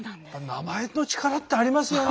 名前の力ってありますよね。